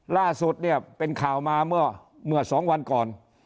ล่าสุดเนี่ยเป็นข่าวมาเมื่อ๒วันก่อน